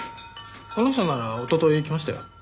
この人ならおととい来ましたよ。